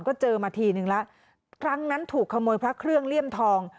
ก็เจอมาทีนึงแล้วครั้งนั้นถูกขโมยพระเครื่องเลี่ยมทอง